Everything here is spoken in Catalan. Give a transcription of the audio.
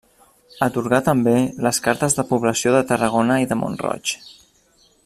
Atorgà també les cartes de població de Tarragona i de Mont-roig.